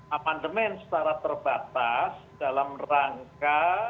amandemen secara terbatas dalam rangka